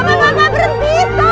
tidak ada apa apa